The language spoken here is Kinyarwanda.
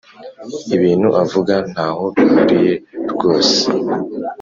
ibintu avuga ntaho bihuriye rwose.